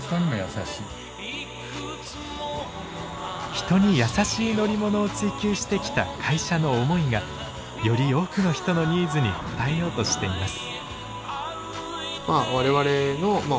人に優しい乗り物を追求してきた会社の思いがより多くの人のニーズに応えようとしています。